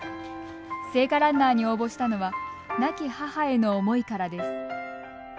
聖火ランナーに応募したのは亡き母への思いからです。